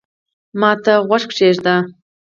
ما ته غوږ کېږده